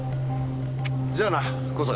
じゃあな小坂。